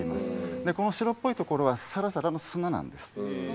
この白っぽいところはサラサラの砂なんです。